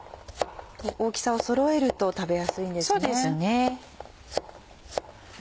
大きさをそろえると食べやすいんですね。